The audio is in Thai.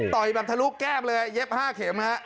ต่อยแบบทะลุแก้มเลยเย็บห้าเข็มฮะ